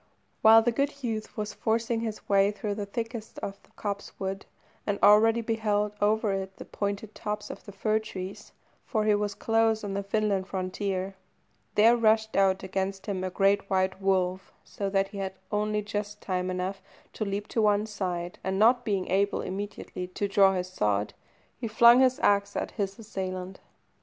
While the good youth was forcing his way through the thickest of the copsewood, and already beheld over it the pointed tops of the fir trees (for he was close on the Finland frontier), there rushed out against him a great white wolf, so that he had only just time enough to leap to one side, and not being able immediately to draw his sword, he flung his axe at his assailant.